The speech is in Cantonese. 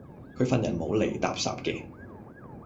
佢份人冇厘搭霎既